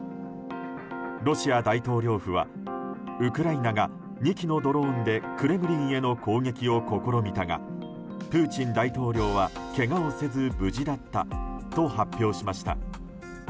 ロシア大統領府はウクライナが２機のドローンでクレムリンへの攻撃を試みたがプーチン大統領は、けがをせず無事だったと発表しました。